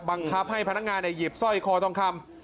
บังคับให้พนักงานหยิบสร้อยคอทองคำ